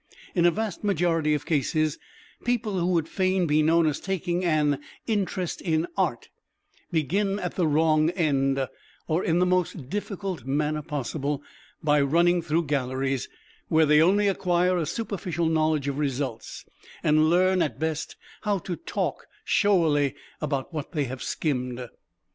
In a vast majority of cases people who would fain be known as taking an interest in Art begin at the wrong end, or in the most difficult manner possible, by running through galleries where they only acquire a superficial knowledge of results, and learn at best how to talk showily about what they have skimmed.